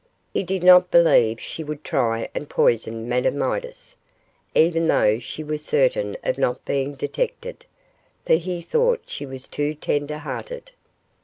He did not believe she would try and poison Madame Midas, even though she was certain of not being detected, for he thought she was too tender hearted.